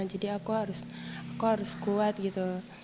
jadi aku harus kuat gitu